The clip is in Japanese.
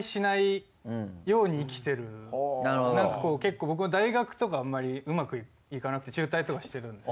なんかこう結構大学とかあんまりうまくいかなくて中退とかしてるんです。